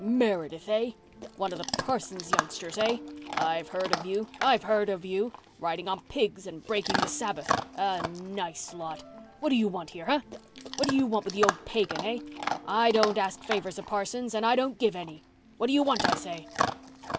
"Meredith, hey? One of the parson's youngsters, hey? I've heard of you—I've heard of you! Riding on pigs and breaking the Sabbath! A nice lot! What do you want here, hey? What do you want of the old pagan, hey? I don't ask favours of parsons—and I don't give any. What do you want, I say?"